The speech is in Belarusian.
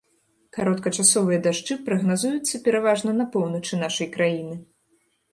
Кароткачасовыя дажджы прагназуюцца пераважна на поўначы нашай краіны.